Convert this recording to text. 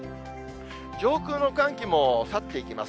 上空の寒気も去っていきます。